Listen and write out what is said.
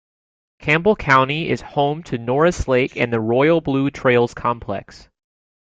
Campbell County is home to Norris Lake and the Royal Blue Trails Complex.